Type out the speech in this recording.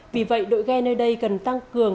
vì vậy đội ghe nơi đây cần tăng cường